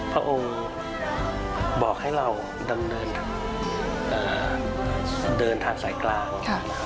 พระองค์บอกให้เราเดินทางสายกลาง